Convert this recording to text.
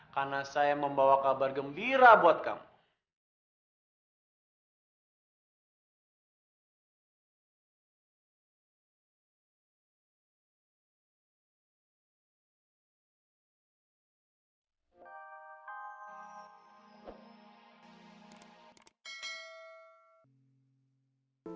karena saya membawa kabar gembira buat kamu